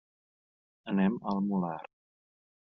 Anem al Molar.